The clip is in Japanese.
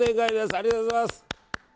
ありがとうございます。